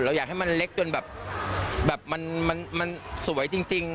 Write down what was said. อยากให้มันเล็กจนแบบมันสวยจริง